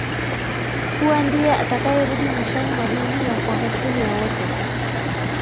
kuwa ndiye atakayerudi mwishoni mwa dunia kwa hukumu ya wote